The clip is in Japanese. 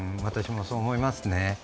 私もそう思いますね。